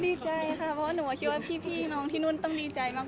ดีใจค่ะเพราะหนูก็คิดว่าพี่น้องที่นู่นต้องดีใจมาก